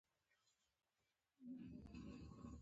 زه نه غواړم بيکاره ملګری ولرم